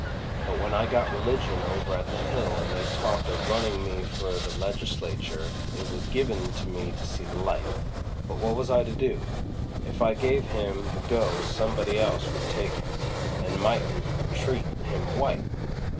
But when I got religion over at the Hill and they talked of running me for the Legislature it was given to me to see the light. But what was I to do? If I gave him the go somebody else would take him, and mightn't treat him white.